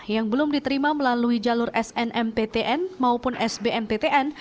yang belum diterima melalui jalur snmptn maupun sbmptn